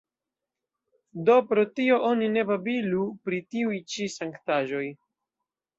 Do pro tio oni ne babilu pri tiuj ĉi sanktaĵoj.